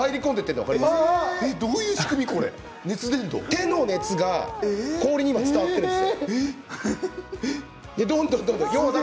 手の熱が氷に伝わっているわけです。